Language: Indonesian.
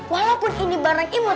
walaupun ini barang imut